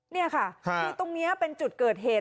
นี่ค่ะคือตรงนี้เป็นจุดเกิดเหตุ